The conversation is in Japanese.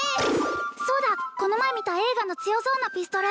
そうだこの前見た映画の強そうなピストル